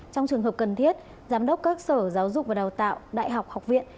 trong trường hợp cần thiết giám đốc các sở giáo dục và đào tạo đại học học viện